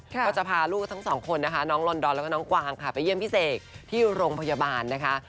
ก็จะพาลูกทั้งสองคนนะคะน้องลอนดอนแล้วก็น้องกวางค่ะไปเยี่ยมพี่เสกที่โรงพยาบาลนะคะ